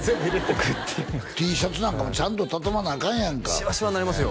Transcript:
置くっていうのがＴシャツなんかもちゃんと畳まなアカンやんかシワシワになりますよ